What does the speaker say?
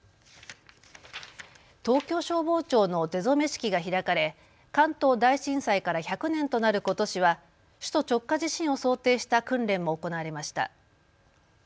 東京消防庁の出初め式が開かれ関東大震災から１００年となることしは首都直下地震を想定した訓練も行われました。